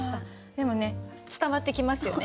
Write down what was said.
でもね伝わってきますよね。